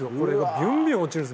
ビュンビュン落ちるんです。